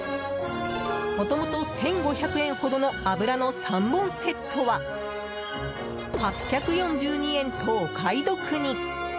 もともと１５００円ほどの油の３本セットは８４２円とお買い得に。